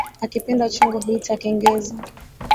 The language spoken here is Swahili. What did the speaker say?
Akipenda chongo huita kengeza